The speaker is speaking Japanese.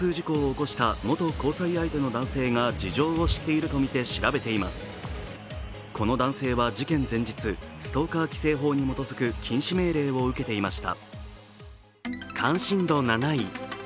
この男性は事件前日ストーカー規制法に基づく禁止命令を受けていました。